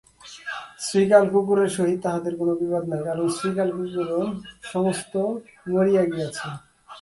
শৃগাল-কুকুরের সহিত তাহাদের কোনো বিবাদ নাই, কারণ শৃগাল-কুকুরও সমস্ত মরিয়া গিয়াছে।